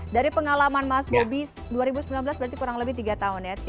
dari pengalaman mas bobi dua ribu sembilan belas berarti kurang lebih tiga tahun ya